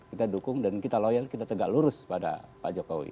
kita dukung dan kita loyal kita tegak lurus pada pak jokowi